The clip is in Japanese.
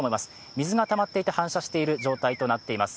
水がたまっていて反射している状態となっています。